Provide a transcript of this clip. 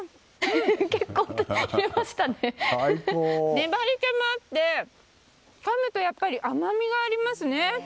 粘り気もあってかむと甘みがありますね。